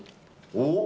おっ。